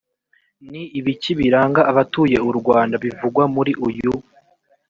ni ibiki biranga abatuye u rwanda bivugwa muri uyu